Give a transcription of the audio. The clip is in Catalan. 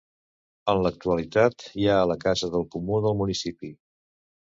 En l'actualitat hi ha la casa del comú del municipi.